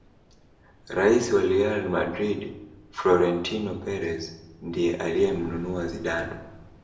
rais wa real madrid Frorentino Perez ndiye aliyemnunua Zidane